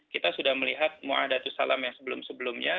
kita sudah melihat mu'ahadatussalam yang sebelum sebelumnya